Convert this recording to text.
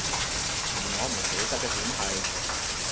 而我唔捨得嘅點係